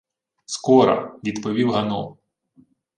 — Скора, — відповів Гано.